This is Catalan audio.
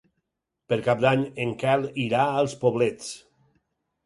Per Cap d'Any en Quel irà als Poblets.